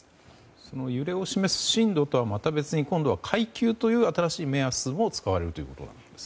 その揺れを示す震度とはまた別に階級という新しい目安が使われるということなんですか。